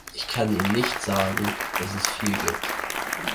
Ich kann Ihnen nicht sagen, dass es viel gibt.